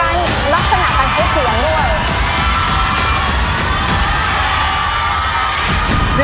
เรียนถึงการลักษณะการให้เสียงด้วย